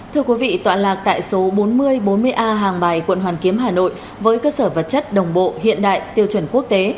thưa quý vị tọa lạc tại số bốn mươi bốn mươi a hàng bài quận hoàn kiếm hà nội với cơ sở vật chất đồng bộ hiện đại tiêu chuẩn quốc tế